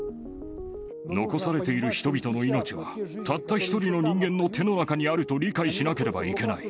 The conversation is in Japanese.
残されている人々の命は、たった一人の人間の手の中にあると理解しなければいけない。